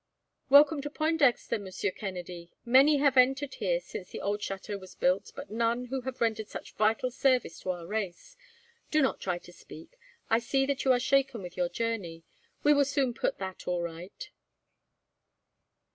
"Welcome to Pointdexter, Monsieur Kennedy! Many have entered here, since the old chateau was built, but none who have rendered such vital service to our race. Do not try to speak. I see that you are shaken with your journey. We will soon put that all right."